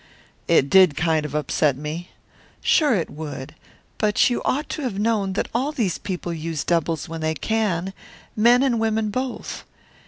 "It did kind of upset me." "Sure it would! But you ought to have known that all these people use doubles when they can men and women both.